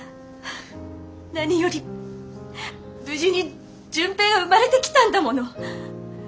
何より無事に純平が生まれてきたんだもの！